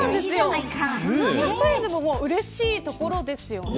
７００円でもうれしいところですよね。